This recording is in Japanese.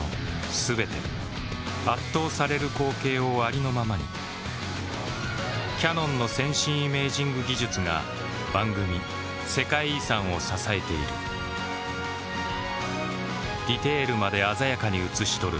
全て圧倒される光景をありのままにキヤノンの先進イメージング技術が番組「世界遺産」を支えているディテールまで鮮やかに映し撮る